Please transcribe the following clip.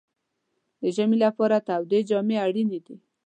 د ژمي لپاره تودې جامې اړینې دي.